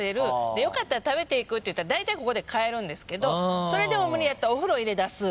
よかったら食べていく？って言ったらだいたいここで帰るんですけどそれでも無理やったらお風呂入れだす。